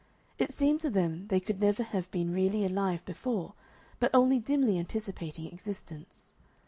It seemed to them they could never have been really alive before, but only dimly anticipating existence.